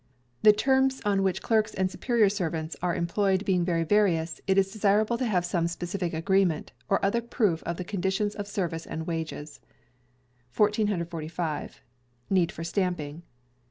The Terms on which clerks and superior servants are employed being very various, it is desirable to have some specific agreement, or other proof of the conditions of service and wages. 1445. Need for Stamping.